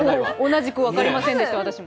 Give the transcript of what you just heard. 同じく分かりませんでした、私も。